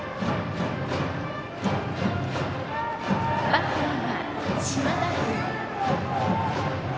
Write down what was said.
バッターは島田君。